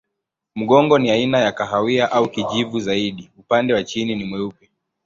Mgongo ni aina ya kahawia au kijivu zaidi, upande wa chini ni mweupe.